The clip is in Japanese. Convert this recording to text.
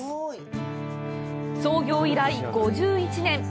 創業以来、５１年。